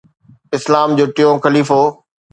اسلام جو ٽيون خليفو